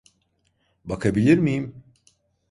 Bakabilir miyim?